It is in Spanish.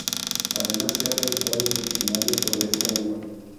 Además, se ha realizado un diccionario sobre esta lengua.